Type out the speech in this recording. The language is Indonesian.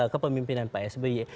kepemimpinan pak sby